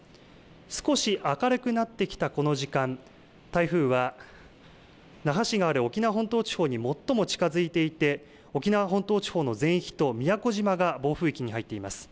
少し明るくなってきたこの時間、台風は那覇市がある沖縄本島地方に最も近づいていて、沖縄本島地方の全域と、宮古島が暴風域に入っています。